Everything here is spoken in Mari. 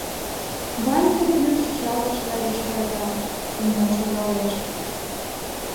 Ванька вӱр чӱчалтыш гай йошкарга, кынел шогалеш.